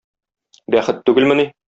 Бәхет түгелмени?!